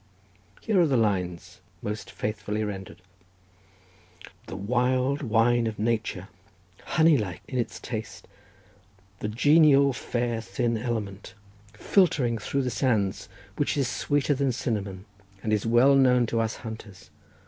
Here are the lines, most faithfully rendered: "The wild wine of nature, Honey like in its taste, The genial, fair, thin element Filtering through the sands, Which is sweeter than cinnamon, And is well known to us hunters.